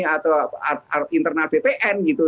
atau internal bpn gitu